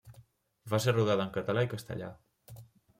Va ser rodada en català i castellà.